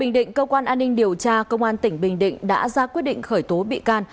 bình định cơ quan an ninh điều tra công an tỉnh bình định đã ra quyết định khởi tố bị can